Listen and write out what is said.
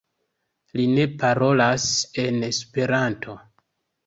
Li ne parolas en Esperanto.